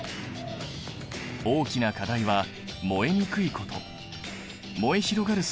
大きな課題は燃えにくいこと。